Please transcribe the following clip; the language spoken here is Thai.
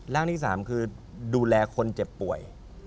ร่างที่สามคือดูแลคนเจ็บป่วย